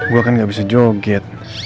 gua kan nggak bisa joget